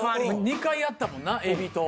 ２回やったもんな「えび」と。